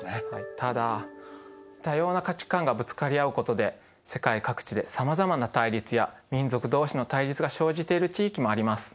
ただ多様な価値観がぶつかり合うことで世界各地でさまざまな対立や民族同士の対立が生じている地域もあります。